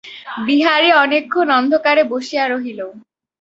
বিহারী অনেকক্ষণ অন্ধকারে বসিয়া রহিল।